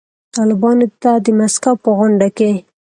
طالبانو ته د مسکو په غونډه کې